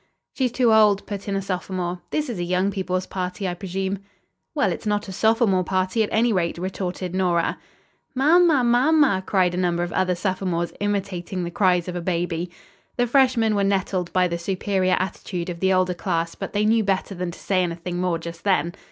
"She's too old," put in a sophomore. "This is a young people's party, I presume?" "Well, it's not a sophomore party, at any rate," retorted Nora. "Ma ma, ma ma," cried a number of other sophomores, imitating the cries of a baby. The freshmen were nettled by the superior attitude of the older class, but they knew better than to say anything more just then.